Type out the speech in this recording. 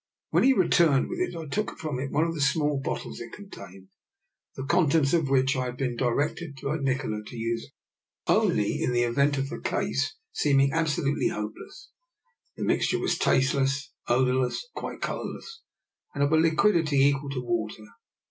When he re turned with it I took from it one of the small bottles it contained, the contents of which I had been directed by Nikola to use only in 94 DR. NIKOLA'S EXPERIMENT. the event of the case seemingly absolutely hopeless. The mixture was tasteless, odour less, and quite colourless, and of a liquidity equal to water.